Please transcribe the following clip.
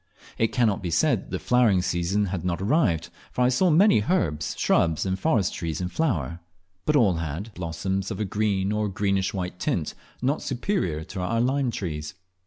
It cannot be said that the flowering season had not arrived, for I saw many herbs, shrubs, and forest trees in flower, but all had blossoms of a green or greenish white tint, not superior to our lime trees.